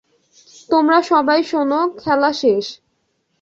সবাই শোনো, খেলা শেষ!